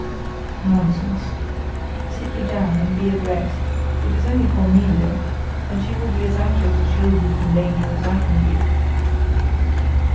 "Nonsense. Sit you down, and be at rest, it is only Cornelia; and she will be as anxious to shield you from danger as I can be."